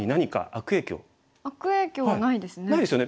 悪影響はないですね。